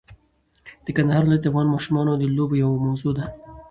د کندهار ولایت د افغان ماشومانو د لوبو یوه موضوع ده.